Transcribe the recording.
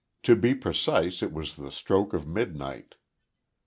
To be precise it was the stroke of midnight.